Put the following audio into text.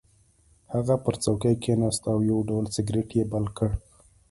هغه پر څوکۍ کېناست او یو ډبل سګرټ یې بل کړ